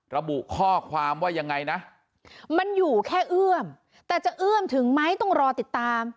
ระบุข้อความว่ายังไงนะมันอยู่แค่เอื้อมแต่จะเอื้อมถึงไหมต้องรอติดตาม